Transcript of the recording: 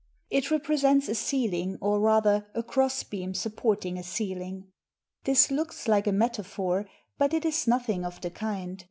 It represents a ceiling, or, rather, a crossbeam supporting a ceiling. This looks like a metaphor; but it is nothing of the kind.